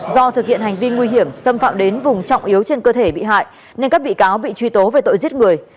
do thực hiện hành vi nguy hiểm xâm phạm đến vùng trọng yếu trên cơ thể bị hại nên các bị cáo bị truy tố về tội giết người